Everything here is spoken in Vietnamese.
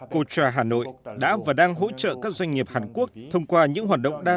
cô cha hà nội đã và đang hỗ trợ các doanh nghiệp hàn quốc thông qua những hoạt động đa